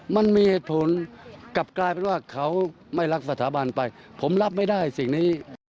มันมีเหตุผลกลับกลายเป็นว่าเขาไม่รักสถาบันไปผมรับไม่ได้สิ่งนี้